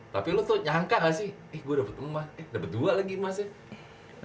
tapi lo tuh nyangka gak sih eh gue dapet emas eh dapet dua lagi emasnya